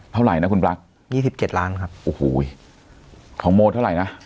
เท่าไหร่นะคุณปรักษ์๒๗ล้านครับของโมทเท่าไหร่นะ